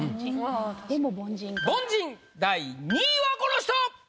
凡人第２位はこの人！